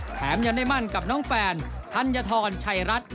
แถมยังได้มั่นกับน้องแฟนธัญฑรชัยรัฐ